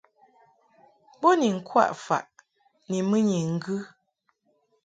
Bo ni ŋkwaʼ faʼ ni mɨnyi ŋgɨ.